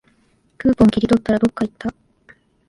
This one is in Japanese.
クーポン切り取ったら、どっかいった